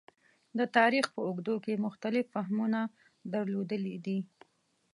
د تاریخ په اوږدو کې مختلف فهمونه درلودلي دي.